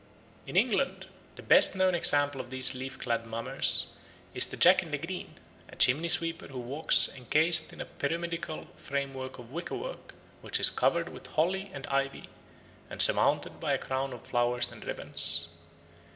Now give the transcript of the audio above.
In England the best known example of these leaf clad mummers is the Jack in the Green, a chimney sweeper who walks encased in a pyramidal framework of wickerwork, which is covered with holly and ivy, and surmounted by a crown of flowers and ribbons.